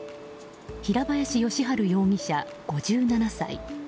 平林義治容疑者、５７歳。